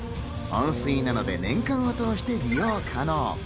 温水なので年間を通して利用可能。